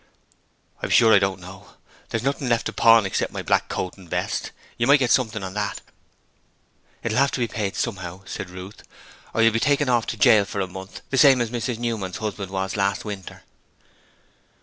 'I'm sure I don't know: there's nothing left to pawn except my black coat and vest. You might get something on that.' 'It'll have to be paid somehow,' said Ruth, 'or you'll be taken off to jail for a month, the same as Mrs Newman's husband was last winter.'